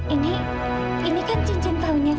ini ini kan cincin praunya pak adil